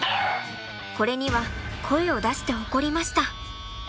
これには声を出して怒りました。